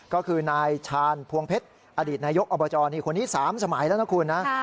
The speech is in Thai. ก็คือนายชาญพวงเพชรอดีตนายกอบจนี่คนนี้๓สมัยแล้วนะคุณนะ